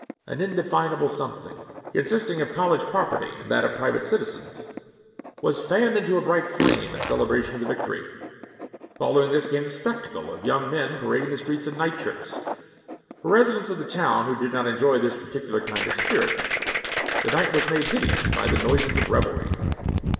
'An indefinable something' consisting of college property and that of private citizens was 'fanned into a bright flame' in celebration of the victory. Following this came the spectacle of young men parading the streets in nightshirts. For residents of the town who did not enjoy this particular kind of spirit, the night was made hideous by the noises of revelry.